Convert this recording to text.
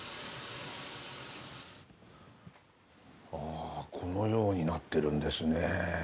あこのようになってるんですね。